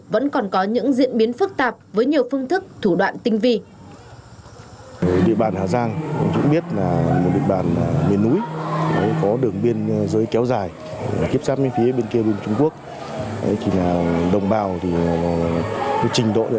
vẫn còn có những diễn biến phức tạp với nhiều phương thức thủ đoạn tinh vi